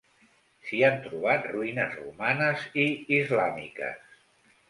S'hi han trobat ruïnes romanes i islàmiques.